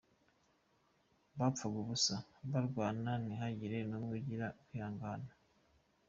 Bapfaga ubusa bakarwana ntihagire n’umwe ugira kwihangana.